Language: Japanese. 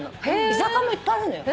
居酒屋もいっぱいあるのよ。